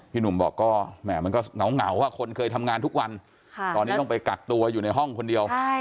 หนุ่มบอกก็แหม่มันก็เหงาคนเคยทำงานทุกวันตอนนี้ต้องไปกักตัวอยู่ในห้องคนเดียว